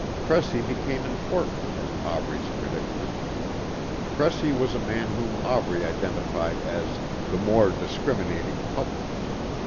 Cressy became important in Aubrey's predicament. Cressy was a man whom Aubrey identified as "the more discriminating public."